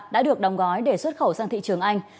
đã được đóng gói để xuất khẩu sang thị trường anh